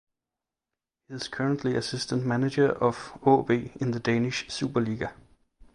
He is currently assistant manager of AaB in the Danish Superliga.